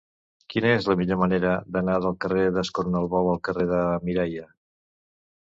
Quina és la millor manera d'anar del carrer d'Escornalbou al carrer de Mireia?